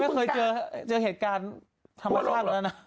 ผมไม่เคยเห็นเกิดเหตุการณ์ทางประวัติศาสตร์หรอนะ